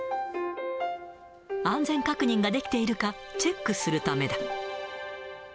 安全確認ができているか、チェックするためだ。